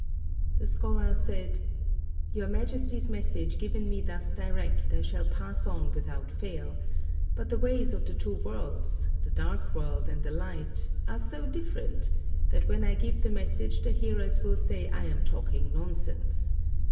The scholar said, "Your Majesty's message given me thus direct I shall pass on without fail, but the ways of the two worlds, the dark world and the light, are so different that when I give the message the hearers will say I am talking nonsense.